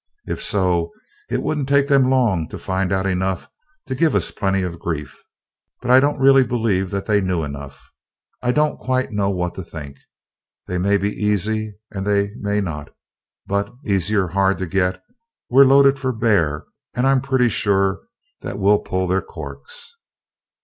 If so, it wouldn't take them long to find out enough to give us plenty of grief but I don't really believe that they knew enough. I don't quite know what to think. They may be easy and they may not; but, easy or hard to get, we're loaded for bear and I'm plenty sure that we'll pull their corks."